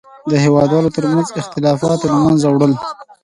د هېوادوالو تر منځ اختلافاتو له منځه وړل.